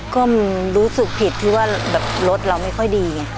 ก็รู้สึกผิดว่ารถเราไม่ค่อยดี